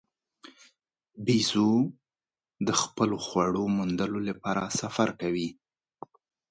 بیزو د خپلې خواړو موندلو لپاره سفر کوي.